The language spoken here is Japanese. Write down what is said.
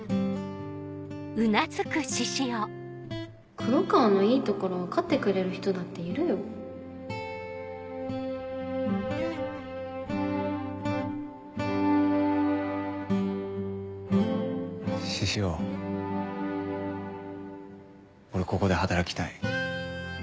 黒川のいいところ分かってくれる人だって獅子王俺ここで働きたい。